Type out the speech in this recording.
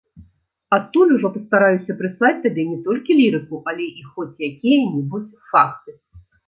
Адтуль ужо пастараюся прыслаць табе не толькі лірыку, але і хоць якія-небудзь факты.